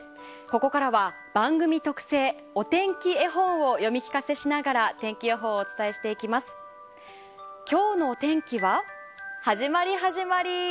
ここからは番組特製お天気絵本を読み聞かせしながら天気予報をお伝えしていきます。